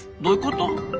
どういうこと？